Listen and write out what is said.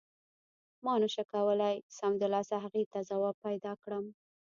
ما نه شو کولای سمدلاسه هغې ته ځواب پیدا کړم.